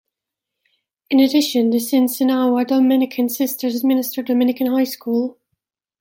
In addition, the Sinsinawa Dominican Sisters administer Dominican High School.